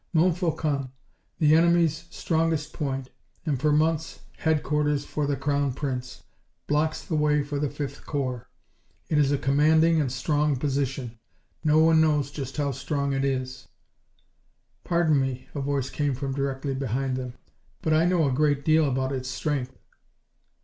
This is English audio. Montfaucon, the enemy's strongest point, and for months headquarters for the Crown Prince, blocks the way for the 5th Corps. It is a commanding and strong position. No one knows just how strong it is." "Pardon me," a voice came from directly behind them, "but I know a great deal about its strength."